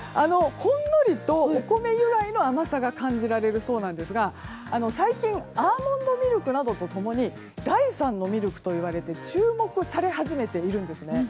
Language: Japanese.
ほんのりと、お米由来の甘さが感じられるそうなんですが最近、アーモンドミルクなどと共に第３のミルクと言われて注目され始めています。